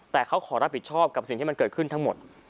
แต่เขาขอรับผิดชอบกับสิ่งที่มันเกิดขึ้นทั้งหมด